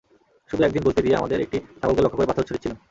শুধু একদিন গুলতি দিয়ে আমাদের একটি ছাগলকে লক্ষ্য করে পাথর ছুড়েছিলাম।